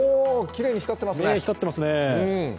きれいに光ってますね。